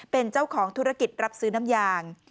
เป็นเจ้าของธุรกิจรับซื้อน้ำยาง